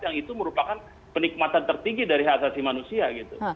yang itu merupakan penikmatan tertinggi dari hak asasi manusia gitu